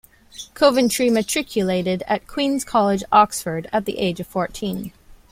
Coventry matriculated at Queens College, Oxford, at the age of fourteen.